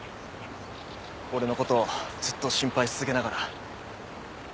俺の事をずっと心配し続けながら。